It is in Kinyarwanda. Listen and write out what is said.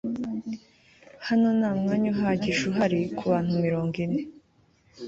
hano nta mwanya uhagije uhari kubantu mirongo ine